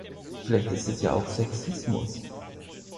Vielleicht ist es ja auch Sexismus?